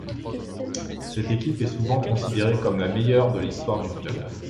Cette équipe est souvent considérée comme la meilleure de l'histoire du club.